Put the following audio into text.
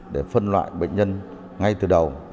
để phân loại bệnh nhân ngay từ đầu